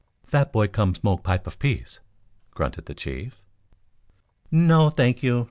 "Fat boy come smoke pipe of peace," grunted the chief. "No, thank you.